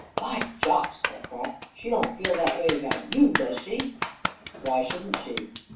"By jocks, Holcroft! She don't feel that way about you, does she?" "Why shouldn't she?"